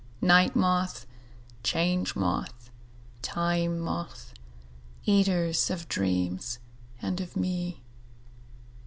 Night Moth, Change Moth, Time Moth, eaters of dreams and of me!